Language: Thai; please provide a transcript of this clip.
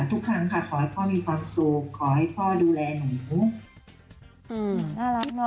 อือน่ารักเนอะ